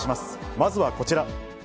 まずはこちら。